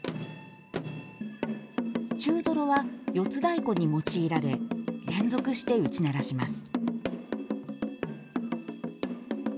中ドロは、四つ太鼓に用いられ連続して打ち鳴らします。